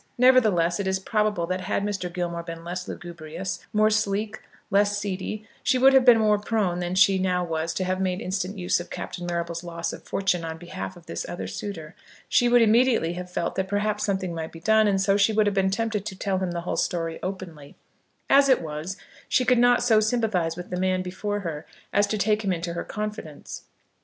Nevertheless, it is probable that had Mr. Gilmore been less lugubrious, more sleek, less "seedy," she would have been more prone than she now was to have made instant use of Captain Marrable's loss of fortune on behalf of this other suitor. She would immediately have felt that perhaps something might be done, and she would have been tempted to tell him the whole story openly. As it was she could not so sympathise with the man before her, as to take him into her confidence.